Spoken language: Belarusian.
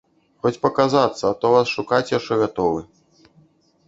Хоць паказацца, а то вас шукаць яшчэ гатовы.